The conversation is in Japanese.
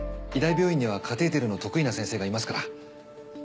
医大病院にはカテーテルの得意な先生がいますから。